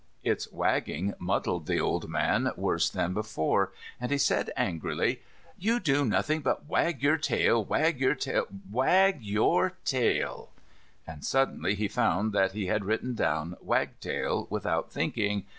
Its wagging muddled the old man worse than before, and he said angrily, "You do nothing but wag your tail, wag your tail, wag your tail" and suddenly he found that he had written down wagtail without thinking.